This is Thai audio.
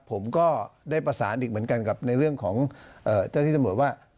ผมก็ได้ประสานอีกเหมือนกันกับในเรื่องของเจ้าที่ตำรวจว่า